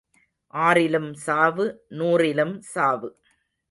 ஆறிலும் சாவு நூறிலும் சாவு.